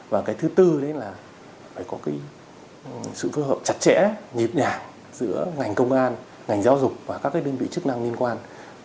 và cái thứ tư đấy là phải có cái sự phối hợp chặt chẽ nhịp nhàng giữa ngành công an ngành giáo dục và các cái đơn vị chức năng liên quan